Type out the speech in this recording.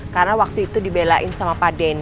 karena waktu itu dibelain sama pak denny